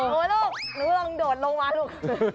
โอ้โฮลูกหนูลองโดดลงมาลูก